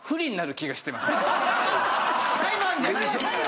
裁判じゃないですから。